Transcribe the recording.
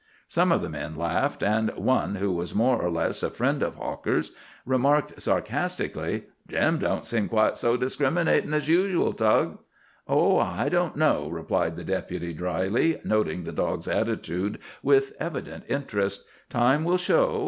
Some of the men laughed, and one who was more or less a friend of Hawker's, remarked sarcastically: "Jim don't seem quite so discriminatin' as usual, Tug." "Oh, I don't know," replied the Deputy drily, noting the dog's attitude with evident interest. "Time will show.